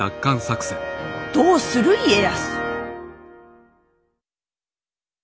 どうする家康。